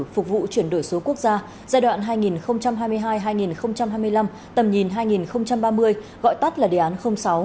phục vụ chuyển đổi số quốc gia giai đoạn hai nghìn hai mươi hai hai nghìn hai mươi năm tầm nhìn hai nghìn ba mươi gọi tắt là đề án sáu